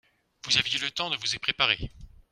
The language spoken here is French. Vous aviez le temps de vous y préparer.